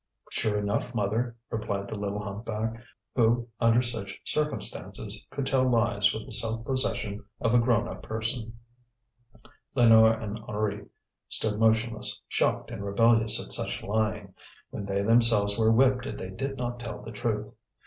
"Sure enough, mother," replied the little humpback, who under such circumstances could tell lies with the self possession of a grown up person. Lénore and Henri stood motionless, shocked and rebellious at such lying, when they themselves were whipped if they did not tell the truth.